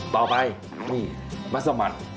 ต่อไปนี่มัสมัน